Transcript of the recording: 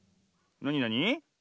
なになに？